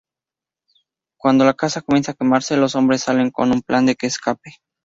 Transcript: Cuando la casa comienza a quemarse, los hombres salen con un plan de escape.